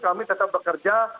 kami tetap bekerja